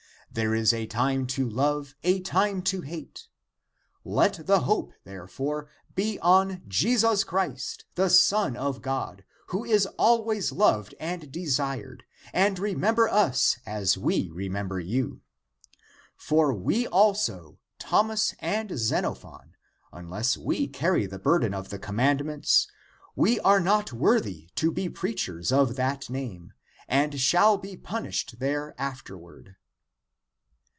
There is a time to love, a time to hate.^ Let the hope, therefore, be on Jesus Christ, the Son of God, who is always loved and desired, and remember us, as we remember you. For we also (Thomas and Xenophon), unless we carry the burden of the commandments, we are not 2 Comp. Exod. XXXII. 3 Eccles. Ill, I, 8. 284 THE APOCRYPHAL ACTS worthy to be preachers of that name, and shall be punished there afterward."